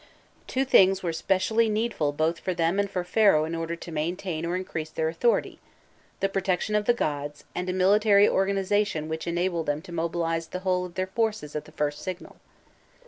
Two things were specially needful both for them and for Pharaoh in order to maintain or increase their authority the protection of the gods, and a military organization which enabled them to mobilize the whole of their forces at the first signal.